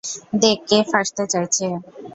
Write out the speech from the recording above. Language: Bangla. দেখ কে ফাঁসতে চাইছে।